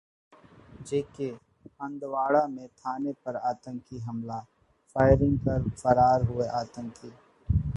J-K: Handwara में थाने पर आतंकी हमला, फायरिंग कर फरार हुए आतंकी